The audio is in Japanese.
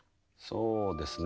そうですね。